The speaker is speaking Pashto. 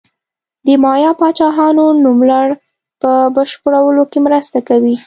د مایا پاچاهانو نوملړ په بشپړولو کې مرسته کوي.